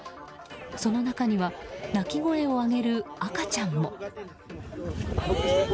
その中には泣き声を上げる赤ちゃんも。